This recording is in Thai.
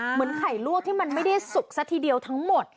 เหมือนไข่ลวกที่มันไม่ได้สุกซะทีเดียวทั้งหมด